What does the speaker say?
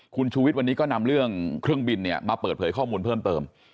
คุณชูวิทย์วันนี้ก็นำเรื่องเครื่องบินเนี่ยมาเปิดเผยข้อมูลเพิ่มเติม